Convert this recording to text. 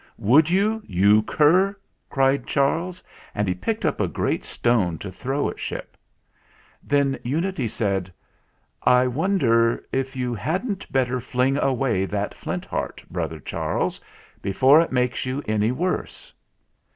"Would you, you cur!" cried Charles, and he picked up a great stone to throw at Ship. Then Unity said : "I wonder if you hadn't better fling away that Flint Heart, brother Charles, before it makes you any worse?"